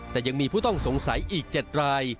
แต่ยังมีผู้ต้องสงสัยอีก๗ราย